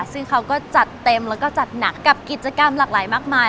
ซึ่งเขาก็จัดเต็มแล้วก็จัดหนักกับกิจกรรมหลากหลายมากมาย